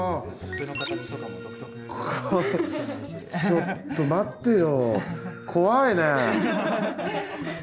ちょっと待ってよ。